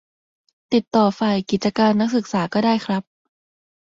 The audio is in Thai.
ติดต่อฝ่ายกิจการนักศึกษาก็ได้ครับ